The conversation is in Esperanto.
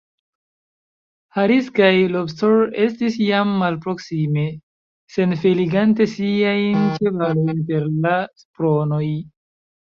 Harris kaj Lobster estis jam malproksime, senfeligante siajn ĉevalojn per la spronoj.